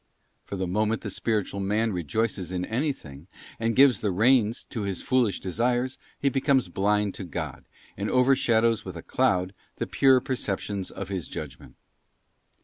For the moment the spiritual man rejoices in anything, and gives the reins to his foolish desires, he becomes blind to God, and overshadows with a cloud the pure perceptions of his judgment.